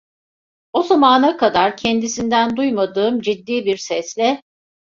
O zamana kadar kendisinden duymadığım ciddi bir sesle…